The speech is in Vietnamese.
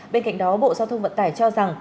bên cạnh đó bộ giao thông vận tải cho rằng